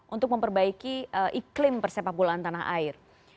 untuk memperbaiki iklim persepakbolaan tanah air